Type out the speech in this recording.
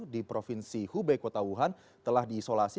di provinsi hubei kota wuhan telah diisolasi